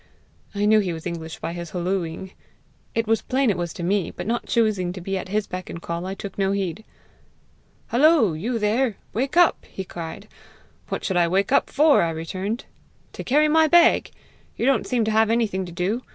I knew he was English by his hollo ing. It was plain it was to me, but not choosing to be at his beck and call, I took no heed. 'Hullo, you there! wake up!' he cried. 'What should I wake up for?' I returned. 'To carry my bag. You don't seem to have anything to do!